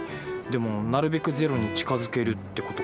でもなるべくゼロに近づけるって事か。